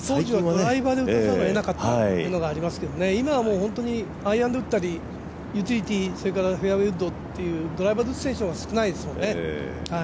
ドライバーで打たざるを得なかったというのがありますけどね、今は本当にアイアンで打ったりユーティリティーそれからフェアウエーウッドっていうドライバーで打つ選手の方が少ないですもんね。